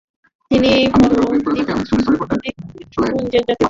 এটি ফ্যারো দ্বীপপুঞ্জের জাতীয় পাখি।